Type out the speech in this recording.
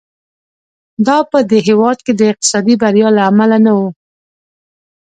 دا په دې هېواد کې د اقتصادي بریا له امله نه و.